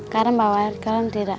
karena bawa air karena tidak